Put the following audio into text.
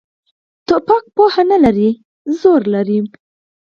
توپک پوهه نه لري، زور لري.